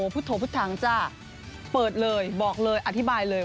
พุทธถังจ้ะเปิดเลยบอกเลยอธิบายเลย